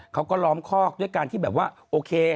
เขาก็ล้อมคอกด้วยการที่โอเค